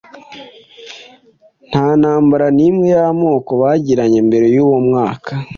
nta ntambara n'imwe y'amoko bagiranye mbere y'uwo mwaka.